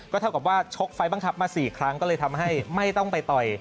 เท่ากับว่าชกไฟล์บังคับมา๔ครั้งก็เลยทำให้ไม่ต้องไปต่อย